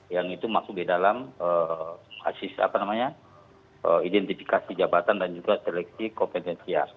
yang itu masuk di dalam asis apa namanya identifikasi jabatan dan juga seleksi kompetensi ya